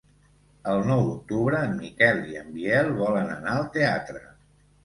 El nou d'octubre en Miquel i en Biel volen anar al teatre.